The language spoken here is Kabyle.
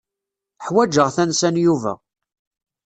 Ḥwaǧeɣ tansa n Yuba.